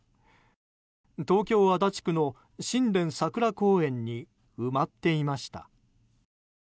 東京・足立区の新田さくら公園に埋まっていました。